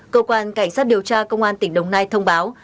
cơ quan cảnh sát điều tra công an tỉnh đồng nai thông báo